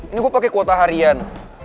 ini gue pakai kuota harian